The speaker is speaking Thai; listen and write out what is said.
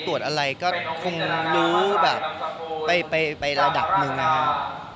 ตรวจอะไรก็คงรู้แบบไประดับหนึ่งนะครับ